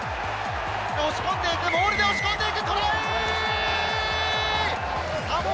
押し込んでいく、モールで押し込んでいく、トライ！